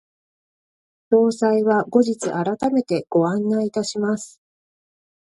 詳細は後日改めてご案内いたします。